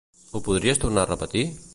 Ho podries tornar a repetir?